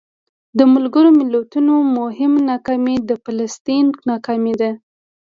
د ملګرو ملتونو مهمه ناکامي د فلسطین ناکامي ده.